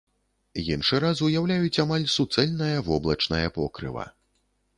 Іншы раз уяўляюць амаль суцэльнае воблачнае покрыва.